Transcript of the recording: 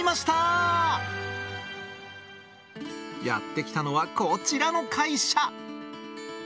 やって来たのはこちらの会社。